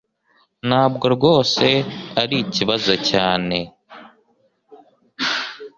Ntabwo rwose ari ikibazo cyane